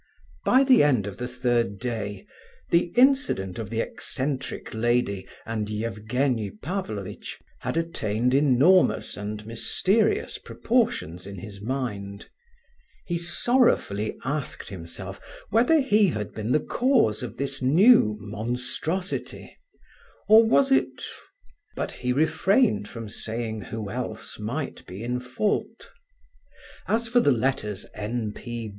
By the end of the third day the incident of the eccentric lady and Evgenie Pavlovitch had attained enormous and mysterious proportions in his mind. He sorrowfully asked himself whether he had been the cause of this new "monstrosity," or was it... but he refrained from saying who else might be in fault. As for the letters N.